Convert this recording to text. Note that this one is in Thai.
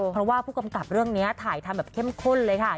เพราะว่าผู้กำกับเรื่องนี้ถ่ายทำแบบเข้มข้นเลยค่ะ